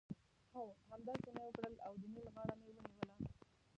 هو! همداسې مې وکړل او د نېل غاړه مې ونیوله.